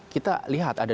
kita lihat ada dua bagian